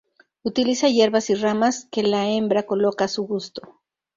Utiliza hierbas y ramas, que la hembra coloca a su gusto.